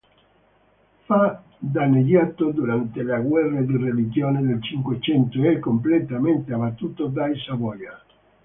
Fu danneggiato durante le guerre di religione del Cinquecento e completamente abbattuto dai Savoia.